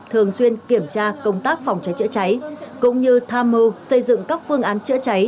thường xuyên kiểm tra công tác phòng cháy chữa cháy cũng như tham mưu xây dựng các phương án chữa cháy